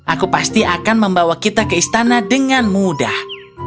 aku pasti akan membawa kita ke istana dengan mudah